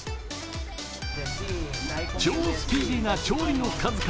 超スピーディーな調理の数々。